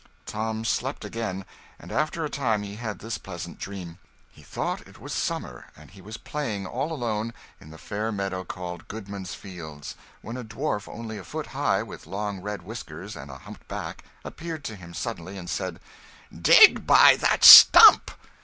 Tom slept again, and after a time he had this pleasant dream. He thought it was summer, and he was playing, all alone, in the fair meadow called Goodman's Fields, when a dwarf only a foot high, with long red whiskers and a humped back, appeared to him suddenly and said, "Dig by that stump."